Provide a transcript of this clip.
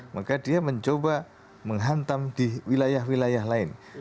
maka dia mencoba menghantam di wilayah wilayah lain